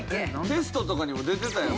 テストとかにも出てたよ。